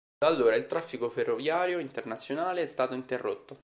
Da allora il traffico ferroviario internazionale è stato interrotto.